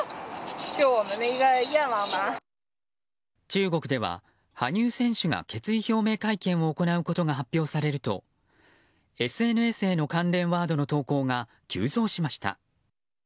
中国では羽生選手が決意表明会見を行うことが発表されるとＳＮＳへの関連ワードの投稿が急増しました。